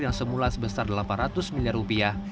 yang semula sebesar delapan ratus miliar rupiah